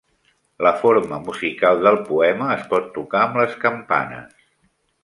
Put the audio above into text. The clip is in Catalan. La forma musical del poema es pot tocar amb les campanes.